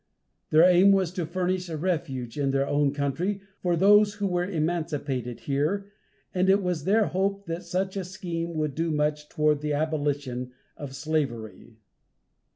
Their aim was to furnish a refuge, in their own country, for those who were emancipated here, and it was their hope that such a scheme would do much toward the abolition of slavery.